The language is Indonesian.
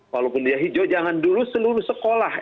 walaupun dia hijau jangan dulu seluruh sekolah